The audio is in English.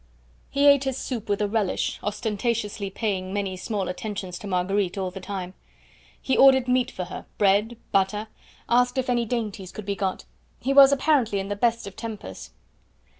He ate his soup with a relish, ostentatiously paying many small attentions to Marguerite all the time. He ordered meat for her bread, butter asked if any dainties could be got. He was apparently in the best of tempers.